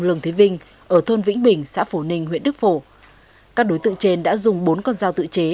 lường thế vinh ở thôn vĩnh bình xã phổ ninh huyện đức phổ các đối tượng trên đã dùng bốn con dao tự chế